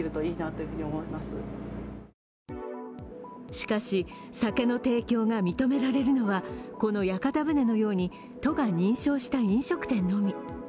しかし、酒の提供が認められるのはこの屋形船のように都が認証した飲食店のみ。